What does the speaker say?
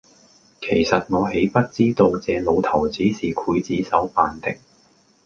其實我豈不知道這老頭子是劊子手扮的！